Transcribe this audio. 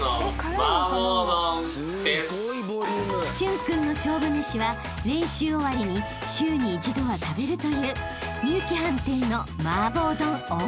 ［駿君の勝負めしは練習終わりに週に１度は食べるという美幸飯店の］